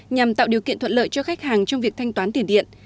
nhằm tạo điều kiện thuận lợi cho khách hàng trong việc thanh toán tiền điện